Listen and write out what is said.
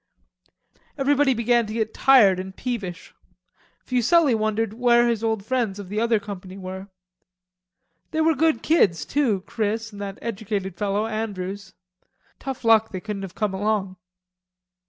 Everybody began to get tired and peevish. Fuselli wondered where his old friends of the other company were. They were good kids too, Chris and that educated fellow, Andrews. Tough luck they couldn't have come along.